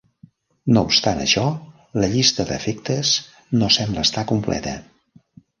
No obstant això, la llista d'afectes no sembla estar completa.